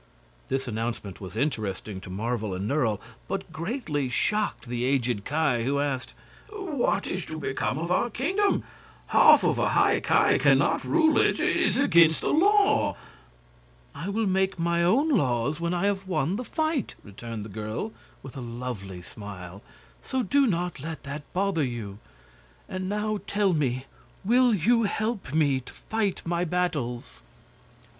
This announcement was interesting to Marvel and Nerle, but greatly shocked the aged Ki, who asked: "What is to become of our kingdom? Half of a High Ki can not rule it. It is against the law." "I will make my own laws when I have won the fight," returned the girl, with a lovely smile; "so do not let that bother you. And now tell me, will you help me to fight my battles?"